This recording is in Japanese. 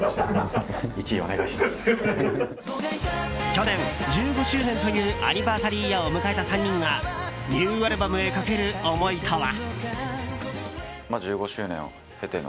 去年１５周年というアニバーサリーイヤーを迎えた３人がニューアルバムへかける思いとは。